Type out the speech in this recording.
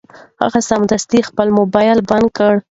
هغه سمدستي خپل مبایل بند کړ.